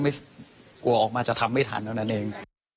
กลัวออกมาจะทำไม่ทันเท่านั้นเอง